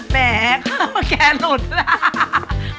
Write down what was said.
แม่ข้าวแม่แกล้งหลุดนะ